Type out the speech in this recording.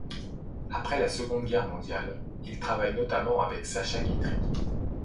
Après la Seconde Guerre mondiale, il travaille notamment avec Sacha Guitry.